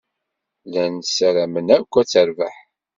Llan ssaramen akk ad terbeḥ.